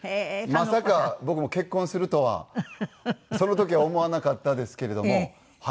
まさか僕も結婚するとはその時は思わなかったですけれどもはい。